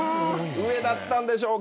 上だったんでしょうか？